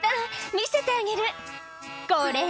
「見せてあげるこれ！」